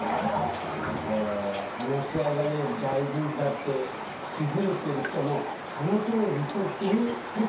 これ話し合いがね大事だって気付いてる人も話し合いを実際する時に。